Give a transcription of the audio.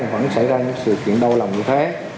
vẫn xảy ra những sự kiện đau lòng như thế